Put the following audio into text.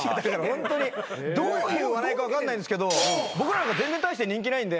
ホントにどういう笑いか分かんないんですけど僕らなんか全然大して人気ないんで。